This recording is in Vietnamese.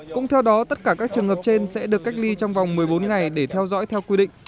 cũng theo đó tất cả các trường hợp trên sẽ được cách ly trong vòng một mươi bốn ngày để theo dõi theo quy định